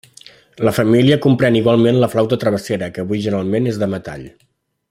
La família compren igualment la flauta travessera que avui generalment és de metall.